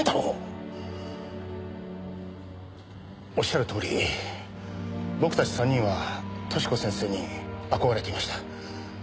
仰るとおり僕たち３人は寿子先生に憧れていました。